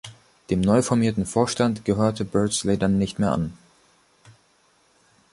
Dem neu formierten Vorstand gehörte Beardsley dann nicht mehr an.